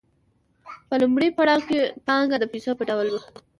په لومړي پړاو کې پانګه د پیسو په ډول وه